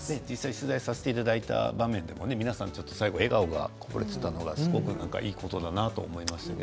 取材させていただいた場面でも皆さん笑顔がこぼれていたのがいいことだったと思いました。